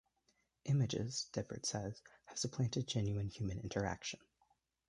Images, Debord says, have supplanted genuine human interaction.